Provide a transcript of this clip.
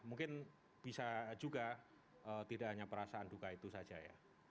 mungkin bisa juga tidak hanya perasaan duka itu saja ya